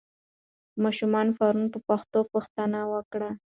ماشوم پرون په پښتو پوښتنه وکړه.